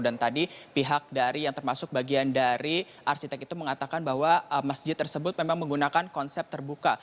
dan tadi pihak dari yang termasuk bagian dari arsitek itu mengatakan bahwa masjid tersebut memang menggunakan konsep terbuka